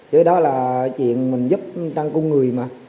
chứ đó là chuyện mình giúp trang cung người mà